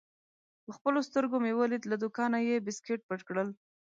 په خپلو سترګو مې ولید: له دوکانه یې بیسکویټ پټ کړل.